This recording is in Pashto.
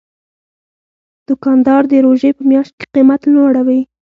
دوکاندار د روژې په میاشت کې قیمت نه لوړوي.